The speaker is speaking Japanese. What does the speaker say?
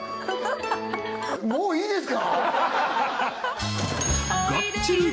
もういいですか？